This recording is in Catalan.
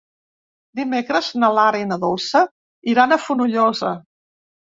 Dimecres na Lara i na Dolça iran a Fonollosa.